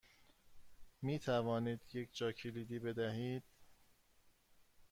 می توانید یک جاکلیدی بدهید؟